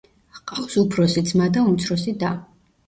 ჰყავს უფროსი ძმა და უმცროსი და.